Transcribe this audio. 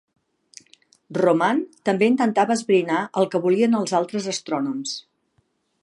Roman també intentava esbrinar el que volien els altres astrònoms.